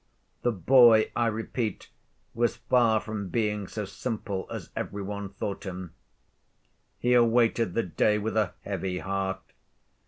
The boy, I repeat, was far from being so simple as every one thought him. He awaited the day with a heavy heart.